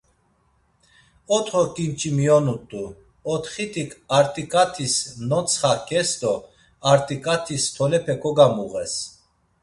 Otxo ǩinçi miyonut̆u, otxitik artiǩatis nontsxaǩes do artiǩatis tolepe kogamuğes.